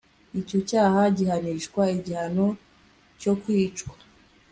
Icyo cyaha gihanishwa igihano cyo kwicwa